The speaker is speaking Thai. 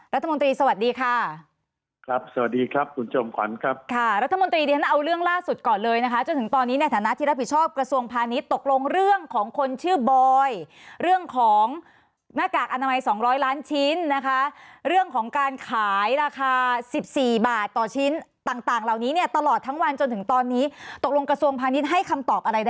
รัฐมนตรีสวัสดีค่ะครับสวัสดีครับคุณจอมขวัญครับค่ะรัฐมนตรีดิฉันเอาเรื่องล่าสุดก่อนเลยนะคะจนถึงตอนนี้ในฐานะที่รับผิดชอบกระทรวงพาณิชย์ตกลงเรื่องของคนชื่อบอยเรื่องของหน้ากากอนามัยสองร้อยล้านชิ้นนะคะเรื่องของการขายราคาสิบสี่บาทต่อชิ้นต่างเหล่านี้เนี่ยตลอดทั้งวันจนถึงตอนนี้ตกลงกระทรวงพาณิชย์ให้คำตอบอะไรได้